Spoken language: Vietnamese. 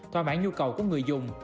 thỏa mãn nhu cầu của người dùng